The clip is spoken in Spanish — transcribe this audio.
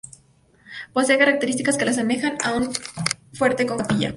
Posee características que la asemejan a un fuerte con capilla.